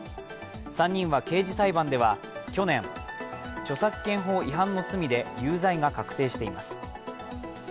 ３人は刑事裁判では去年、著作権法違反の罪で有罪が確定しています。